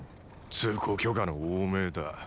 通行許可の王命だ。